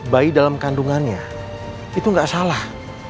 bayi dalam kandungannya itu nggak salah